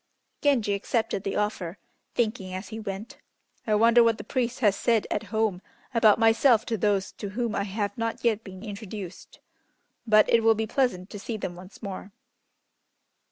Genji accepted the offer, thinking as he went, "I wonder what the priest has said at home about myself to those to whom I have not yet been introduced. But it will be pleasant to see them once more."